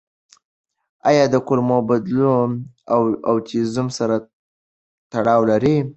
آیا د کولمو بدلون د اوټیزم سره تړاو لري؟